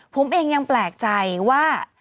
ผมเองยังแปลกใจว่า